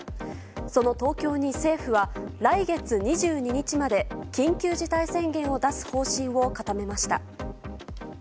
その東京に政府は来月２２日まで緊急事態宣言を出す方針を固めました。